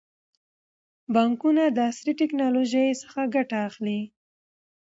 بانکونه د عصري ټکنالوژۍ څخه ګټه اخلي.